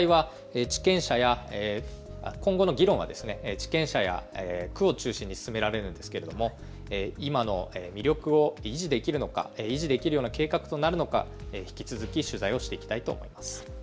今後の議論は地権者や区を中心に進められるんですけれども今の魅力を維持できるのか維持できるような計画となるのか引き続き取材をしていきたいと思います。